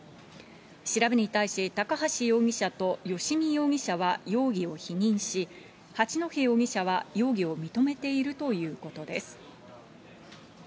調べに対し、高橋容疑者とよしみ容疑者は容疑を否認し、八戸容疑者は容疑を認めているということです。